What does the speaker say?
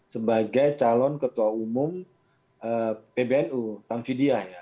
sebagai calon ketua umum pbnu tamfidia